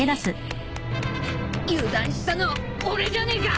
油断したのは俺じゃねえか！